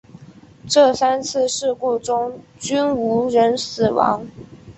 这三次事故中均无人死亡。